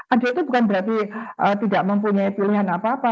adik itu bukan berarti tidak mempunyai pilihan apa apa